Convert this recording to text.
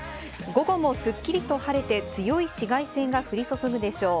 午後もすっきりと晴れて強い紫外線が降り注ぐでしょう。